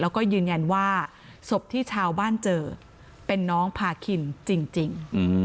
แล้วก็ยืนยันว่าศพที่ชาวบ้านเจอเป็นน้องพาคินจริง